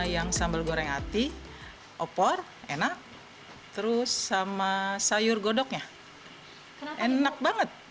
yang sambal goreng ati opor enak terus sama sayur godoknya enak banget